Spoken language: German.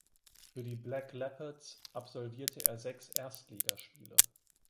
Für die Black Leopards absolvierte er sechs Erstligaspiele.